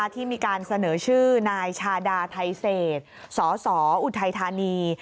ที่มีการเสนอชื่อนายชาดาไทเศษสสออุทัยธานี